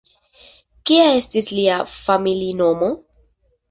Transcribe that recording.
Kia estas lia familinomo?